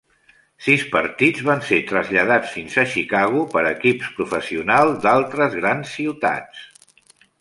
Sis partits van ser traslladats fins a Chicago per equips professionals d'altres grans ciutats.